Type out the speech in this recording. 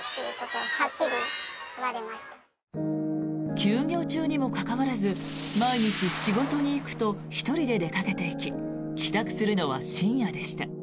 休業中にもかかわらず毎日、仕事に行くと１人で出かけていき帰宅するのは深夜でした。